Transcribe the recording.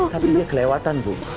kau tak tahu kalau